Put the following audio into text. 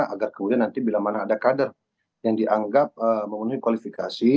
agar kemudian nanti bila mana ada kader yang dianggap memenuhi kualifikasi